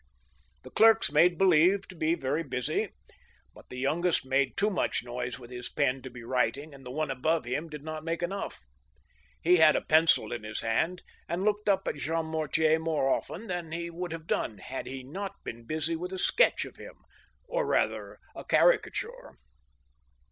The clerks made believe to be very busy. But the youngest made too much noise with his pen to be writing, and the one above him did not make enough. He had a pencil in his hand, and looked up at Jean Mortier more often than he would have done had he not been busy with a sketch of Him, or rather a caricature.